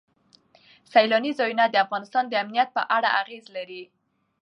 سیلاني ځایونه د افغانستان د امنیت په اړه اغېز لري.